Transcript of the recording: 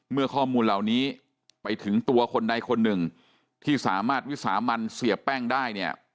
ข้อมูลเหล่านี้ไปถึงตัวคนใดคนหนึ่งที่สามารถวิสามันเสียแป้งได้เนี่ย